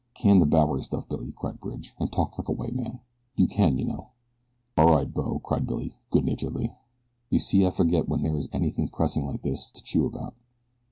"Can the Bowery stuff, Billy," cried Bridge, "and talk like a white man. You can, you know." "All right, bo," cried Billy, good naturedly. "You see I forget when there is anything pressing like this, to chew about.